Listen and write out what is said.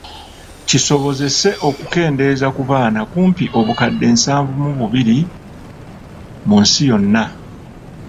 Kisobozese okukendeeza ku baana kumpi obukadde nsanvu mu bubiri mu nsi yonna.